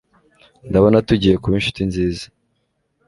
Ndabona tugiye kuba inshuti nziza